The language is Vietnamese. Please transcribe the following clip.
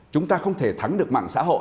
chúng ta không thể thắng được mạng xã hội